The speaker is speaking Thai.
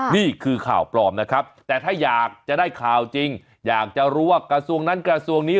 นี่คือข่าวปลอมนะครับแต่ถ้าอยากจะได้ข่าวจริงอยากจะรู้ว่ากระทรวงนั้นกระทรวงนี้